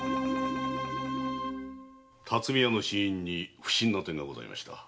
巽屋の死因に不審な点がございました。